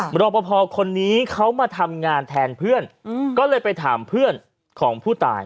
รอปภคนนี้เขามาทำงานแทนเพื่อนก็เลยไปถามเพื่อนของผู้ตาย